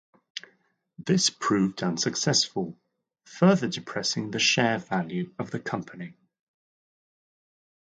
This proved unsuccessful, further depressing the share value of the company.